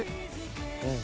うん！